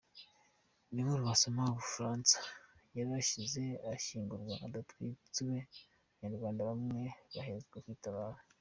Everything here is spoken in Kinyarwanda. Indi nkuru wasoma: U Bufaransa: Yarashyize ashyingurwa adatwitswe, Abanyarwanda bamwe bahezwa ku itabaro.